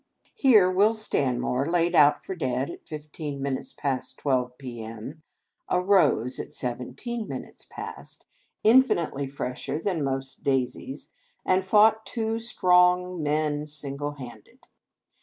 Here, Will Stanmore, laid out for dead at fifteen minutes past twelve, p.m., arose at seven teen minutes past, iufinitely fresher than most daisies, and fought two strong men single handed.